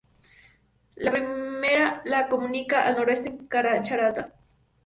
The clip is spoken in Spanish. La primera la comunica al noroeste con Charata.